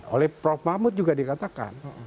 oleh prof mahmud juga dikatakan